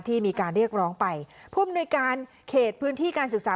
ที่มีการเรียกร้องไปผู้อำนวยการเขตพื้นที่การศึกษา